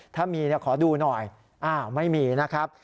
ถ้ามีขอดูหน่อยไม่มีนะครับ